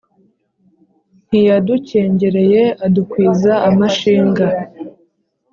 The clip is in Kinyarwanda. ntiyadukengereye adukwiza amashinga.